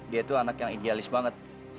dia tuh anak yang idealis banget